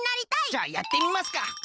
じゃあやってみますか！